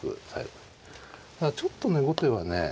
ちょっとね後手はね